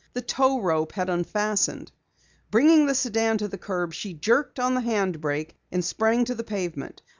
The tow rope had unfastened. Bringing the sedan to the curb, she jerked on the hand brake, and sprang to the pavement.